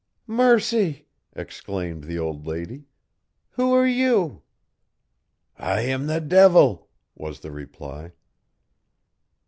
"Mercy!" exclaimed the old lady. "Who are you?" "I am the devil!" was the reply.